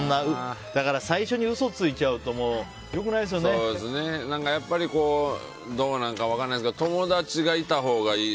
最初に嘘をついちゃうとやっぱりどうなんか分からないですけど友達がいたほうがいい。